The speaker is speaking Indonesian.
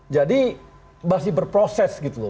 jadi masih berproses gitu loh